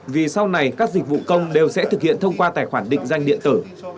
vì sau này các dịch vụ công đều sẽ thực hiện thông qua tài khoản định danh điện tử